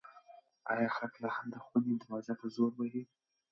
ایا هلک لا هم د خونې دروازه په زور وهي؟